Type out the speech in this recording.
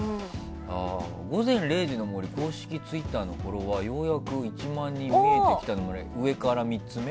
「午前０時の森」公式ツイッターのフォロワーようやく１万人見えてきたの森。